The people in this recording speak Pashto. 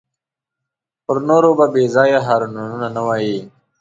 پر نورو به بېځایه هارنونه نه وهې.